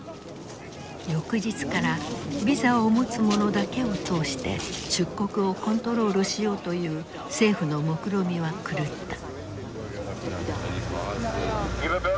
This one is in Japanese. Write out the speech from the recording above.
翌日からビザを持つ者だけを通して出国をコントロールしようという政府のもくろみは狂った。